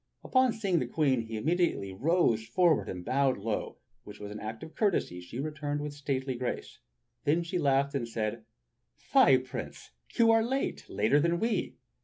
Upon seeing the Queen, he immediately rode forward and bowed low, which act of courtesy she returned with stately grace. Then she laughed and said: "Fie, Prince, you are late, later than we!"